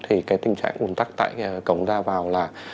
thì tình trạng bùn tắc tại cổng ra vào